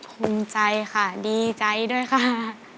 ภูมิใจค่ะดีใจด้วยค่ะ